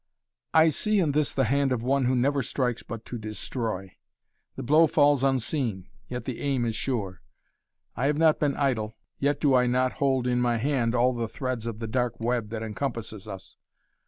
"I see in this the hand of one who never strikes but to destroy. The blow falls unseen, yet the aim is sure. I have not been idle, yet do I not hold in my hand all the threads of the dark web that encompasses us.